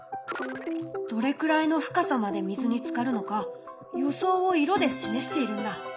どれくらいの深さまで水につかるのか予想を色で示しているんだ。